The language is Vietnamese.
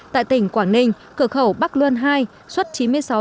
tại tỉnh quảng ninh cửa khẩu bắc luân hai xuất chín mươi sáu xe